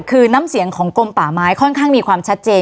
คือน้ำเสียงของกลมป่าไม้ค่อนข้างมีความชัดเจน